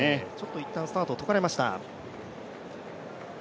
一旦、スタートを解かれました。